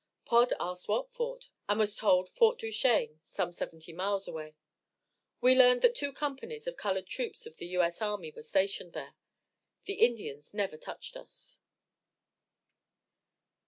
Pod asked what fort, and was told Fort Duchesne, some seventy miles away. We learned that two companies of colored troops of the U. S. army were stationed there. The Indians never touched us.